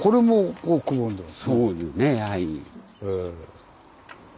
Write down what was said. そうですねはい。